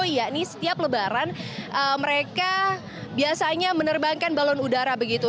yakni setiap lebaran mereka biasanya menerbangkan balon udara begitu